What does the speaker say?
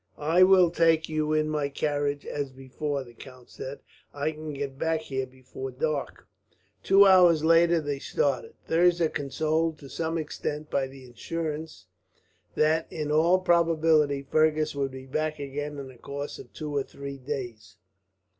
"I will take you in my carriage, as before," the count said. "I can get back here before dark." Two hours later they started, Thirza consoled to some extent by the assurance that, in all probability, Fergus would be back again in the course of two or three days.